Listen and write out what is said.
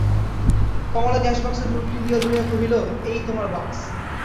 কমলা cashbox তুলিয়া ধরিয়া কহিল, এই তোমার বাক্স।